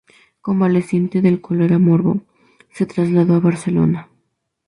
Convaleciente del cólera morbo, se trasladó a Barcelona.